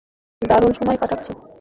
দারুণ সময় কাটাচ্ছি।